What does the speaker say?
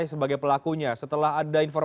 sekolah yang cukup minta penorrenta atau polisi